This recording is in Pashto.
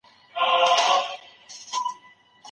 بې له زیاره ګنج نسته.